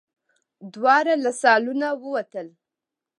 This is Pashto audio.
دواړه له سالونه ووتل.